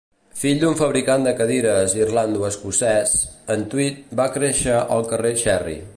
Fill d'un fabricant de cadires irlando-escocès, en Tweed va créixer al carrer Cherry.